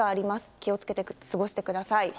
気をつけて過ごしてください。